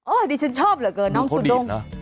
โอ้ยดิฉันชอบเหรอเกินน้องคุณด้ม